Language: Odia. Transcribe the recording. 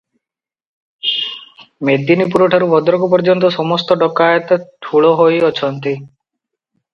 ମେଦିନିପୁରଠାରୁ ଭଦ୍ରକ ପର୍ଯ୍ୟନ୍ତ ସମସ୍ତ ଡକାଏତ ଠୁଳ ହୋଇଅଛନ୍ତି ।